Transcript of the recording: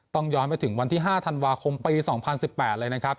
ย้อนไปถึงวันที่๕ธันวาคมปี๒๐๑๘เลยนะครับ